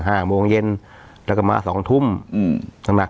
ห้าโมงเย็นแล้วก็มาสองทุ่มอืมสำหรับเขาบอกค่ะครือเช้าน่ะ